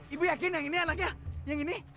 ibu yakin yang ini anaknya yang ini